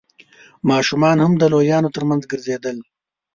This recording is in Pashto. ماشومان هم د لويانو تر مينځ ګرځېدل.